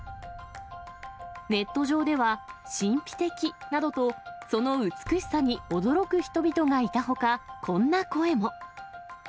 ネット上では、神秘的などと、その美しさに驚く人々がいたほか、こんな声も。